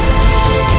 aku tidak mau